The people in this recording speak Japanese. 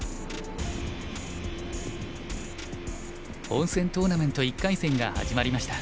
本戦トーナメント１回戦が始まりました。